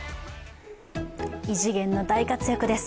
異次元の大活躍です。